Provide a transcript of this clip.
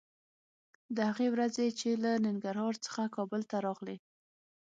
د هغې ورځې چې له ننګرهار څخه کابل ته راغلې